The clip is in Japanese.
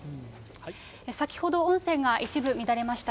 先ほど音声が一部乱れました。